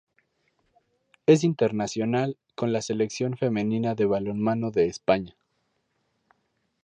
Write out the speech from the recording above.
Es internacional con la Selección femenina de balonmano de España.